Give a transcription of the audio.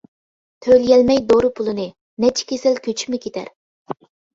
تۆلىيەلمەي دورا پۇلىنى، نەچچە كېسەل كۆچۈپمۇ كېتەر.